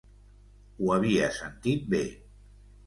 Ho havia sentit bé.